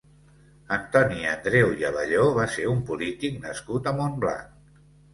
Antoni Andreu i Abelló va ser un polític nascut a Montblanc.